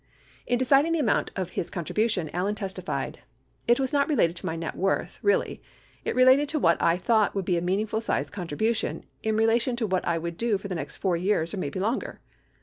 In deciding on the amount of his contribution Allen testified: "It was not related to my net worth, really. It related to what I thought would be a meaningful size contribution in relation to what I would do for the next 4 years or maybe longer."